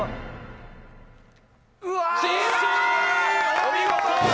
お見事！